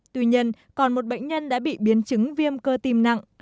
tuy nhiên còn một bệnh nhân đã bị biến chứng viêm cơ tim nặng